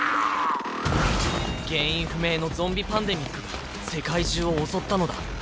原因不明のゾンビ・パンデミックが世界中を襲ったのだ